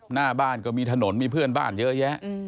หน้าบ้านก็มีถนนมีเพื่อนบ้านเยอะแยะ